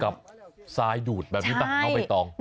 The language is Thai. กับซ้ายดูดแบบนี้ต้องเอาไปต้อง